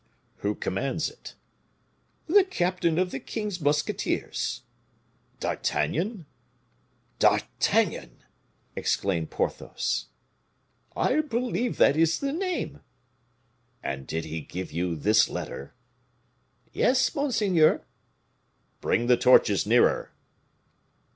"Who commands it?" "The captain of the king's musketeers." "D'Artagnan?" "D'Artagnan!" exclaimed Porthos. "I believe that is the name." "And did he give you this letter?" "Yes, monseigneur." "Bring the torches nearer."